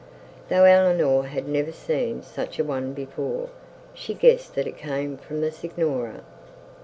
Though Eleanor had never seen such a one before, she guessed that it came from the signora.